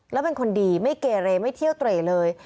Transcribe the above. แล้วเป็นคนดีไม่เกเรไม่เที่ยวเตรเลย